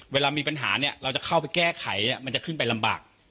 เวลามีปัญหาเนี่ยเราจะเข้าไปแก้ไขมันจะขึ้นไปลำบาก